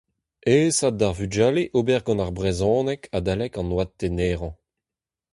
Aesaat d'ar vugale ober gant ar brezhoneg adalek an oad tenerañ.